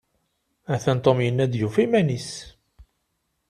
Atan Tom yenna-d yufa iman-is.